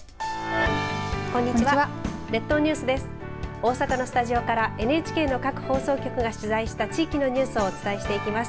大阪のスタジオからＮＨＫの各放送局が取材した地域のニュースをお伝えします。